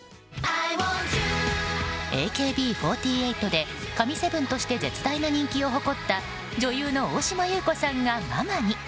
ＡＫＢ４８で神７として絶大な人気を誇った女優の大島優子さんがママに。